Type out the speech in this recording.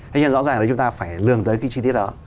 thế nhưng rõ ràng là chúng ta phải lường tới cái chi tiết đó